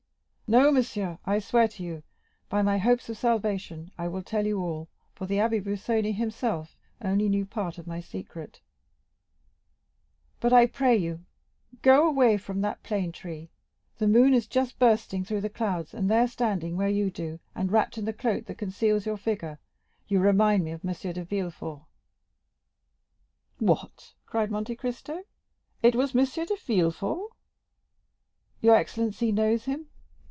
"No, monsieur, I swear to you, by my hopes of salvation, I will tell you all, for the Abbé Busoni himself only knew a part of my secret; but, I pray you, go away from that plane tree. The moon is just bursting through the clouds, and there, standing where you do, and wrapped in that cloak that conceals your figure, you remind me of M. de Villefort." "What!" cried Monte Cristo, "it was M. de Villefort?" "Your excellency knows him?"